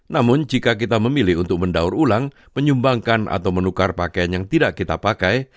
namun jika kita memilih untuk mendaur ulang menyumbangkan atau menukar pakaian yang tidak kita pakai